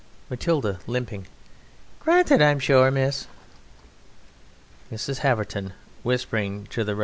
MATILDA (limping): Granted, I'm sure, miss! MRS. HAVERTON (whispering to the REV.